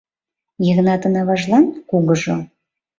Йыгнатын аважлан — кугыжо.